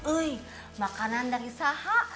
uy makanan dari sahak